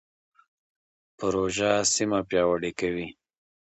پروژه سیمه پیاوړې کوي.